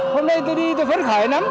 hôm nay tôi đi tôi vẫn khỏi lắm